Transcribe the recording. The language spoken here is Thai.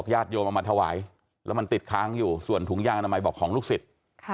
ญาติโยมเอามาถวายแล้วมันติดค้างอยู่ส่วนถุงยางอนามัยบอกของลูกศิษย์